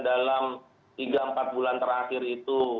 dalam tiga empat bulan terakhir itu